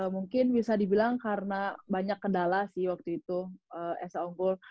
mungkin bisa dibilang karena banyak kendala sih waktu itu esa unggul